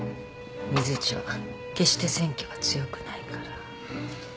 水内は決して選挙が強くないから。